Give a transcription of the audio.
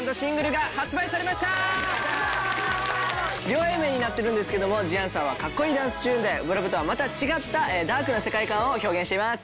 両Ａ面になってるんですけども『ＴｈｅＡｎｓｗｅｒ』はかっこいいダンスチューンで『初心ＬＯＶＥ』とはまた違ったダークな世界観を表現しています。